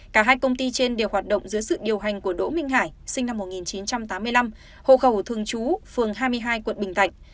cả hai công ty trên đều hoạt động dưới sự điều hành của đỗ minh hải sinh năm một nghìn chín trăm tám mươi năm hộ khẩu thường trú phường hai mươi hai quận bình thạnh